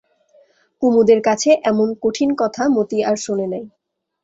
কুমুদের কছে এমন কঠিন কথা মতি আর শোনে নাই।